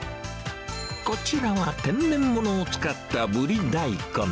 こちらは、天然物を使ったブリ大根。